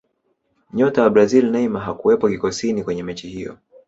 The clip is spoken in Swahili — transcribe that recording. nyota wa brazili neymar hakuwepo kikosini kwenye mechi hiyo